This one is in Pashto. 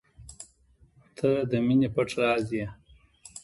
• ته د مینې پټ راز یې.